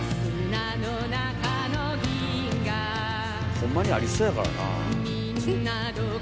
ほんまにありそうやからなあ。